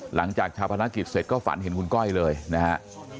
หลังจากชาวพนักกิจเสร็จก็ฝันเห็นคุณก้อยเลยนะฮะ